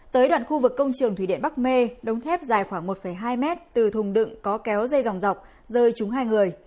tới đoạn khu vực công trường thủy điện bắc mê đống thép dài khoảng một hai mét từ thùng đựng có kéo dây dòng dọc rơi trúng hai người